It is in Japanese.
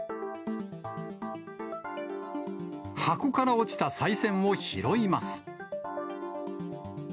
箱から落ちたさい銭を拾います。